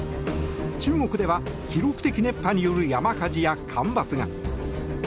中国では記録的熱波による山火事や干ばつが。